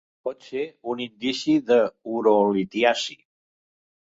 Pot ser un indici de urolitiasi.